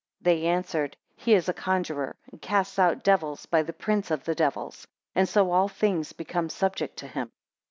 They answered He is a conjurer, and casts out devils by the prince of the devils; and so all things, become subject to him.